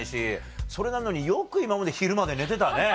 それなのによく今まで昼まで寝てたね。